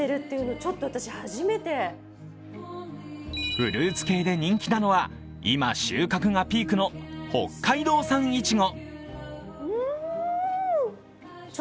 フルーツ系で人気なのは今、収穫がピークの北海道産イチゴ